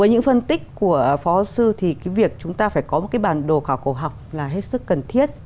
với những phân tích của phó sư thì cái việc chúng ta phải có một cái bản đồ khảo cổ học là hết sức cần thiết